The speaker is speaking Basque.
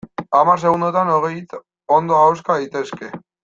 Hamar segundotan hogei hitz ondo ahoska daitezke.